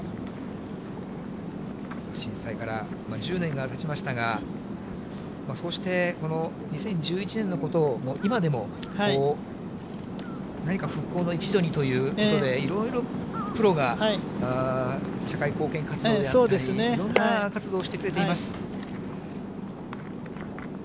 震災から１０年がたちましたが、そうして２０１１年のことを、今でも、何か復興の一助にということで、いろいろプロが、社会貢献活動であったり、いろんな活動をしてくれています。